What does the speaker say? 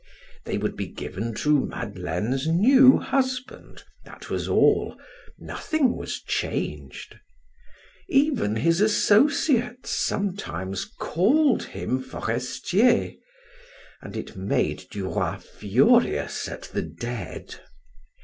They would be given to Madeleine's new husband that was all nothing was changed; even his associates sometimes called him Forestier, and it made Du Roy furious at the dead.